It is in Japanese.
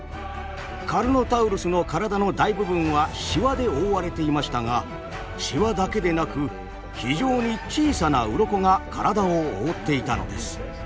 カルノタウルスの体の大部分はシワで覆われていましたがシワだけでなく非常に小さなウロコが体を覆っていたのです。